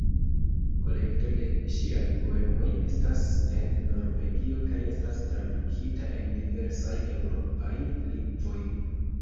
Kolekto de ŝiaj poemoj estas en Norvegio kaj estas tradukita en diversajn eŭropajn lingvojn.